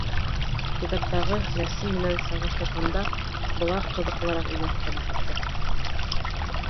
Китаптағы рәсем менән сағыштырғанда былар ҡыҙыҡлыраҡ ине, әлбиттә.